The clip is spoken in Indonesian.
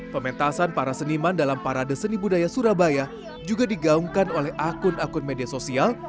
pementasan para seniman dalam parade seni budaya surabaya juga digaungkan oleh akun akun media sosial